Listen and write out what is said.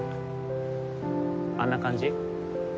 あんな感じ？